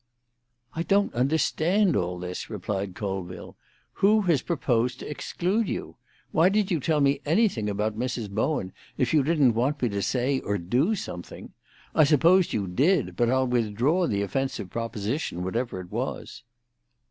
"I don't understand all this," replied Colville. "Who has proposed to exclude you? Why did you tell me anything about Mrs. Bowen if you didn't want me to say or do something? I supposed you did; but I'll withdraw the offensive proposition, whatever it was."